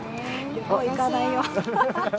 旅行行かないよ。